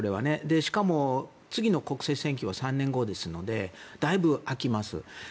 しかも次の国政選挙は３年後ですのでだいぶ空きます。